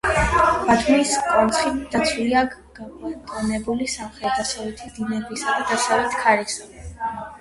ბათუმის კონცხით დაცულია აქ გაბატონებული სამხრეთ-დასავლეთი დინებისა და დასავლეთ ქარისაგან.